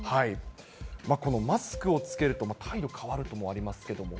このマスクを着けると、態度変わるともありますけれども。